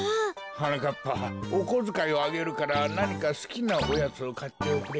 はなかっぱおこづかいをあげるからなにかすきなオヤツをかっておくれ。